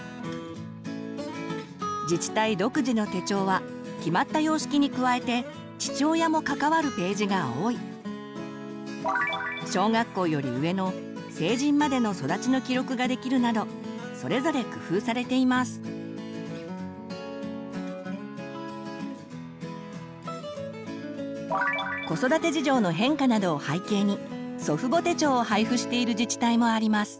自治体独自の手帳は決まった様式に加えて父親も関わるページが多い小学校より上の成人までの育ちの記録ができるなど子育て事情の変化などを背景に「祖父母手帳」を配布している自治体もあります。